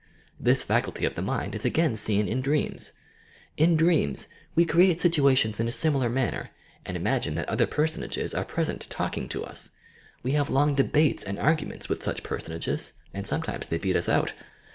This faculty of the mind is again seen in dreams. In dreams we create situations in a similar manner, and imagine that other personages are present talking to UB. We have long debates and arguments with such personages, and sometimes they beat us out!